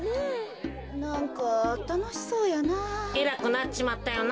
なんかたのしそうやな。